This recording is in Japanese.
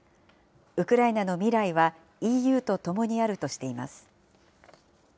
ウクライナの未来はＥＵとともにあるとしています。